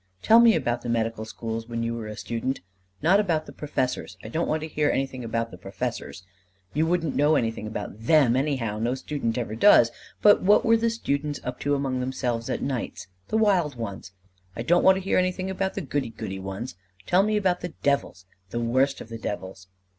"Tell me about the medical schools when you were a student. Not about the professors. I don't want to hear anything about the professors. You wouldn't know anything about them, anyhow: no student ever does. But what were the students up to among themselves at nights? The wild ones. I don't want to hear anything about the goody goody ones. Tell me about the devils the worst of the devils."